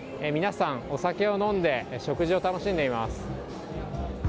皆さんお酒を飲んで、食事を楽しんでいます。